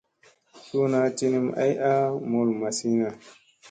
Suuna tinim ay a mul mazina.